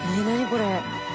これ。